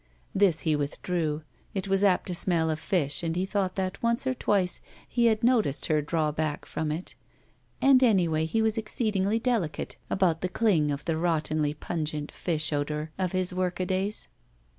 This he withdrew. It was apt to smell of fish and he thought that once or twice he had noticed her draw back from it, and, anyway, he was ^tceedingly delicate about the cling of the rottenly pungent fidi odor of his workadays.